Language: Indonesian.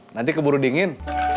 nanti keburu dingin